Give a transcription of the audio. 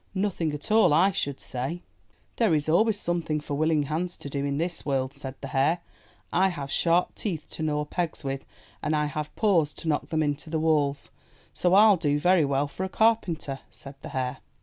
''Nothing at all, I should say.'' "There is always some thing for willing hands to do in this world," said the hare. "I have sharp teeth to gnaw pegs with, and I have paws to knock them into the walls; so Til do very well for a carpenter," said the hare.